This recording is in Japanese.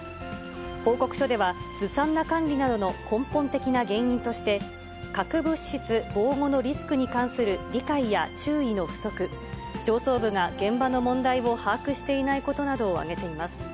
報告書では、ずさんな管理などの根本的な原因として、核物質防護のリスクに関する理解や注意の不足、上層部が現場の問題を把握していないことなどを挙げています。